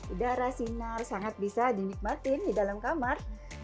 udara sinar sangat bisa dinikmatin di dalam kamar